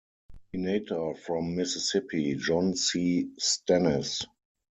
Senator from Mississippi, John C. Stennis.